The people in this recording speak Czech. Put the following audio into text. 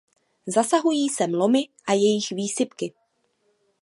Zasahují sem lomy a jejich výsypky.